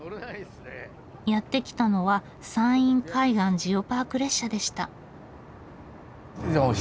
やって来たのは山陰海岸ジオパーク列車でした。